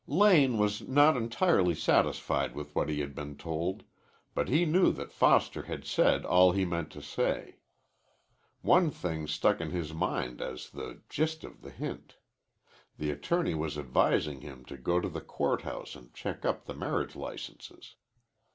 Lane was not entirely satisfied with what he had been told, but he knew that Foster had said all he meant to say. One thing stuck in his mind as the gist of the hint. The attorney was advising him to go to the court house and check up the marriage licenses.